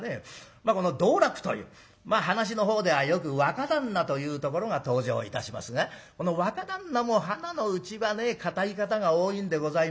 まあこの道楽という噺のほうではよく若旦那というところが登場いたしますがこの若旦那もはなのうちはね堅い方が多いんでございますよ。